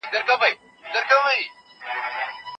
د ده ملي سندرې د پښتو وزن او مضمون ساتلی دی.